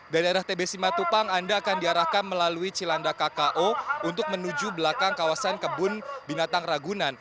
dari arah tbc matupang anda akan diarahkan melalui cilanda kko untuk menuju belakang kawasan kebun binatang ragunan